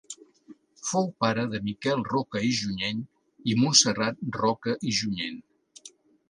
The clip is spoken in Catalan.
Fou pare de Miquel Roca i Junyent i Montserrat Roca i Junyent.